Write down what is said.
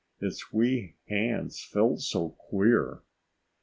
Its wee hands felt so queer!